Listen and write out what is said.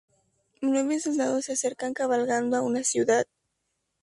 Nueve soldados se acercan cabalgando a una ciudad.